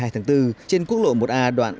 một mươi hai tháng bốn trên quốc lộ một a đoạn